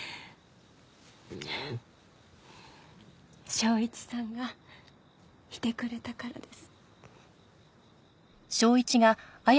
昇一さんがいてくれたからです。